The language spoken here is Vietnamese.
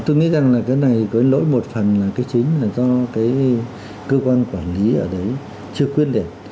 tôi nghĩ rằng là cái này với lỗi một phần là cái chính là do cái cơ quan quản lý ở đấy chưa quyết liệt